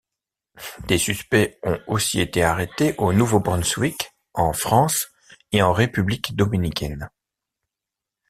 Des suspects ont aussi été arrêtés au Nouveau-Brunswick, en France et en République dominicaine.